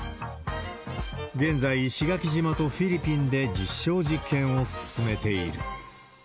現在、石垣島とフィリピンで実証実験を進めている。